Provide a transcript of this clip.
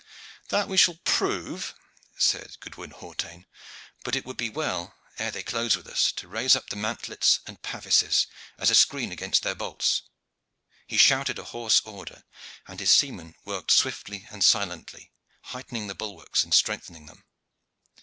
"That we shall prove," said Goodwin Hawtayne; "but it would be well, ere they close with us, to raise up the mantlets and pavises as a screen against their bolts." He shouted a hoarse order, and his seamen worked swiftly and silently, heightening the bulwarks and strengthening them.